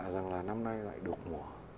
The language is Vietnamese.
rằng là năm nay lại đục mùa